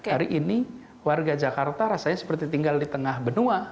hari ini warga jakarta rasanya seperti tinggal di tengah benua